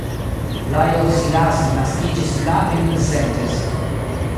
Lajos Szilassi naskiĝis la en Szentes.